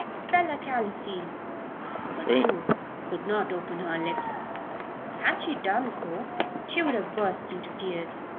spell 'acalycine.'" But Ruth could not open her lips. Had she done so she would have burst into tears.